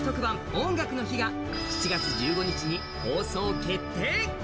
「音楽の日」が７月１５日に放送決定。